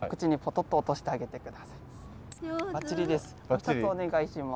もう一つお願いします。